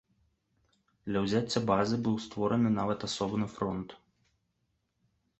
Для ўзяцця базы быў створаны нават асобны фронт.